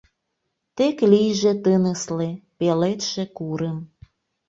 Тек лийже тынысле, пеледше курым!